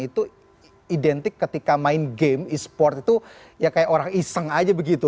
itu identik ketika main game e sport itu ya kayak orang iseng aja begitu